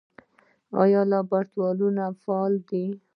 آیا لابراتوارونه فعال دي؟